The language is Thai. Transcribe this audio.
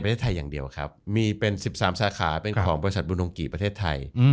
ประเทศไทยอย่างเดียวครับมีเป็น๑๓สาขาเป็นของบริษัทบุรุงกิประเทศไทย